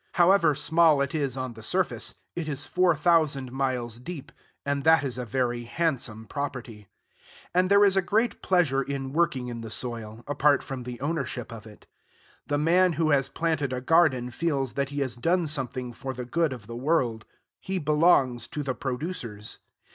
However small it is on the surface, it is four thousand miles deep; and that is a very handsome property. And there is a great pleasure in working in the soil, apart from the ownership of it. The man who has planted a garden feels that he has done something for the good of the World. He belongs to the producers.